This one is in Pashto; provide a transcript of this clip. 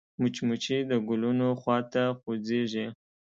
مچمچۍ د ګلونو خوا ته خوځېږي